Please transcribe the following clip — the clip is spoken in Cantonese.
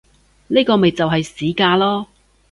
呢個咪就係市價囉